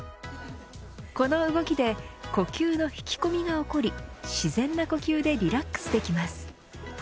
この動きで呼吸の引き込みが起こり自然な呼吸でリラックスできます。